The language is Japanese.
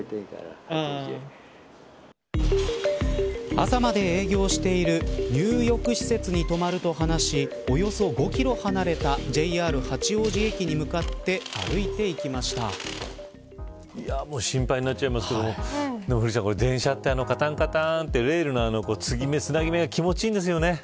朝まで営業している入浴施設に泊まると話しおよそ５キロ離れたＪＲ八王子駅にもう心配になっちゃいますけれども古市さん電車って、カタンカタンってレールのつなぎ目が気持ちいいんですよね。